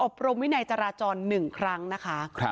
บรมวินัยจราจร๑ครั้งนะคะ